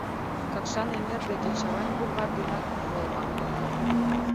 — Какшан эҥер деке Чавайн бульвар денак волыман.